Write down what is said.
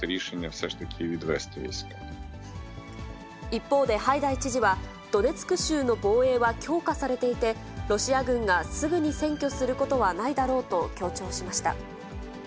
一方でハイダイ知事は、ドネツク州の防衛は強化されていて、ロシア軍がすぐに占拠することはないだろうと強調しました。